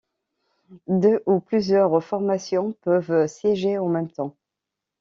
Deux ou plusieurs formations peuvent siéger en même temps.